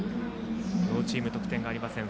両チーム得点がありません。